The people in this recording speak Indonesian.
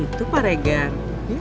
itu pak regar